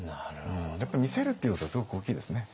やっぱり見せるって要素はすごく大きいですね。